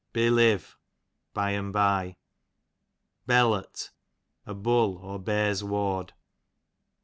Belive, by and by. Bellart, a bidl or bears ward.